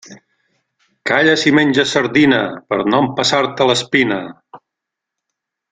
Calla si menges sardina per no empassar-te l'espina.